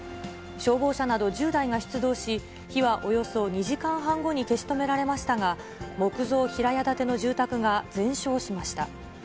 消防車など１０台が出動し、火はおよそ２時間半後に消し止められましたが、木造平屋建ての住宅が全焼しました。